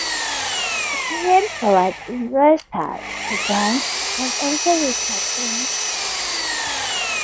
Veteran forward Indra Sahdan was also recalled to the national team.